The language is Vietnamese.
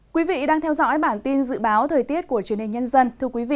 quý vị đang theo dõi bản tin dự báo thời tiết của truyền hình nhân dân